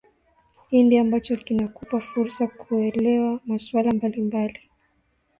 indi ambacho kinakupa fursa kuelewa masuala mbalimbali